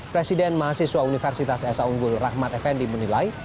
presiden mahasiswa universitas esa unggul rahmat effendi menilai